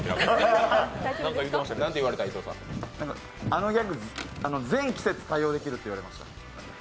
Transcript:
あのギャグ全季節対応できるって言われました。